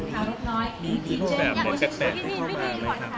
มีที่เข้ามามันแปลกไม่เข้ามาเลยครับ